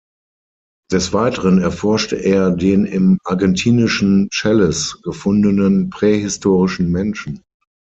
Des Weiteren erforschte er den im argentinischen Chelles gefundenen prähistorischen Menschen.